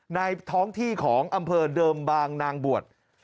ในท้องที่ของอำเภอเดิมบางนางบวช